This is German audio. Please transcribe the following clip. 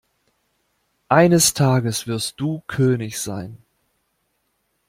Eines Tages wirst du König sein.